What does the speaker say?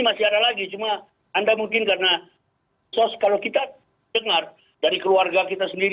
masih ada lagi cuma anda mungkin karena sos kalau kita dengar dari keluarga kita sendiri